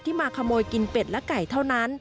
มาขโมยกินเป็ดและไก่เท่านั้น